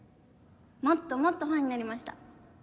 もっともっとファンになりました。